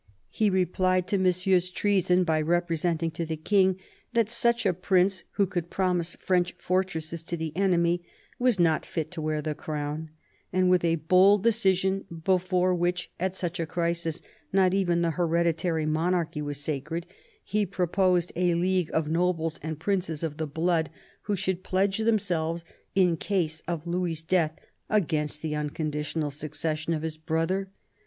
He replied to Monsieur's treason by representing to the King that such a prince, who could promise French fortresses to the enemy, was not fit to wear the crown ; and with a bold decision before which, at such a crisis, not even the hereditary monarchy was sacred, he proposed a league of nobles and princes of the blood who should pledge themselves, in case of Louis' death, against the unconditional succession of his brother.